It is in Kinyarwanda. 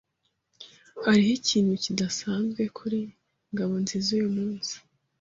Hariho ikintu kidasanzwe kuri Ngabonziza uyumunsi.